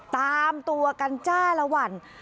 ตามตัวกันจ้าละวัน